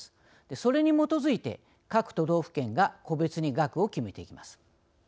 それに基づいて各都道府県が個別に額を決めていきます。